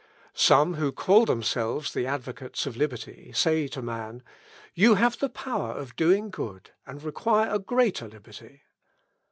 Some who call themselves the advocates of liberty, say to man, "You have the power of doing good, and require a greater liberty."